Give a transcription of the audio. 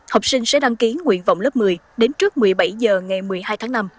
học sinh sẽ đăng ký nguyện vọng lớp một mươi đến trước một mươi bảy h ngày một mươi hai tháng năm